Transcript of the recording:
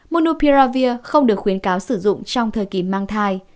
monopiravir không được khuyến cáo sử dụng trong thời kỳ mang thai